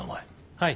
はい。